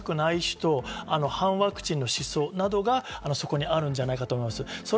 これは根強い打ちたくない人、反ワクチンの思想などがそこにあるんじゃないかと思います。